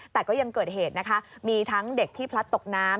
แต่ก็ยังเกิดเหตุนะคะมีทั้งเด็กที่พลัดตกน้ำ